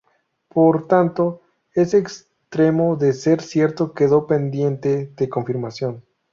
Por tanto, ese extremo, de ser cierto, quedó pendiente de confirmación.